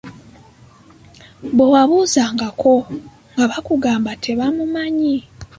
Bwe wabuuzangako nga bakugamba tebamumanyi.